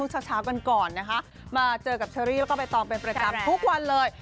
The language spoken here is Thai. เช้ากันก่อนนะคะมาเจอกับเชอรี่แล้วก็ใบตองเป็นประจำทุกวันเลย